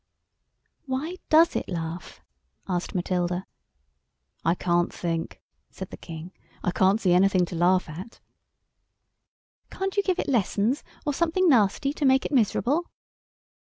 "Why does it laugh?" asked Matilda. "I can't think," said the King; "I can't see anything to laugh at." "Can't you give it lessons, or something nasty to make it miserable?"